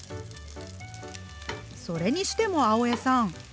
それにしても青江さん